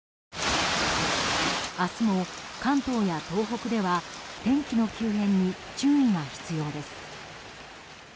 明日も関東や東北では天気の急変に注意が必要です。